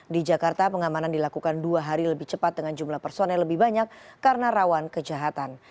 di jakarta pengamanan dilakukan dua hari lebih cepat dengan jumlah personel lebih banyak karena rawan kejahatan